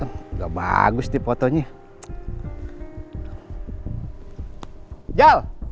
enggak bagus dipotongnya